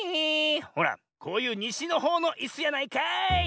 ほらこういうにしのほうのいすやないかい！